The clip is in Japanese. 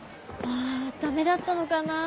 あ駄目だったのかなあ。